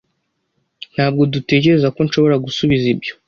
Ntabwo dutekereza ko nshobora gusubiza ibyo.